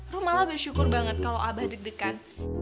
ru malah bersyukur banget kalau abah deg degan